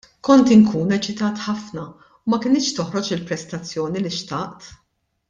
Kont inkun eċitat ħafna u ma kinitx toħroġ il-prestazzjoni li xtaqt.